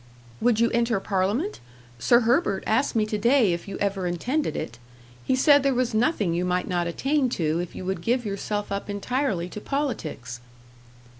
"Would you enter parliament? Sir Herbert asked me to day if you ever intended it. He said there was nothing you might not attain to if you would give yourself up entirely to politics."